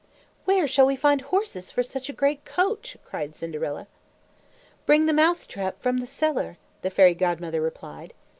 "Where shall we find horses for such a great coach?" cried Cinderella. "Bring the mouse trap from the cellar," the Fairy Godmother replied.